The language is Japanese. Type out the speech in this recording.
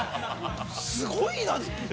すごいな。